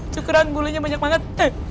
syukuran bulunya banyak banget